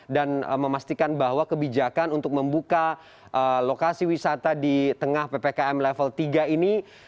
dan memastikan bahwa kebijakan untuk membuka lokasi wisata di tengah ppkm level tiga ini